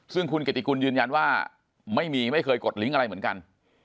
ซึ่งคุณเกติกุลยืนยันว่าไม่มีไม่เคยกดลิงก์อะไรเหมือนกัน